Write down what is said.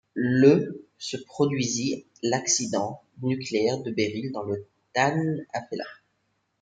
Le se produisit l'accident nucléaire de Béryl dans le Tan Afella.